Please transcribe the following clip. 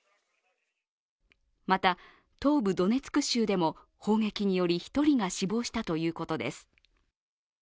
また東部ドネツク州でも、砲撃により１人が死亡したということです。